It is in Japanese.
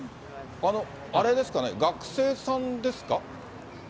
あれですかね、学生さんですか？